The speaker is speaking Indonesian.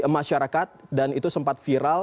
masyarakat dan itu sempat viral